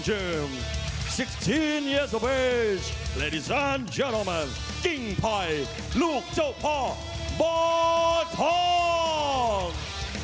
ทุกคนทุกคนทุกคนขอบคุณกันลูกเจ้าพ่อบอทอง